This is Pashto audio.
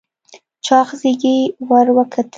چاغ زيږې ور وکتلې.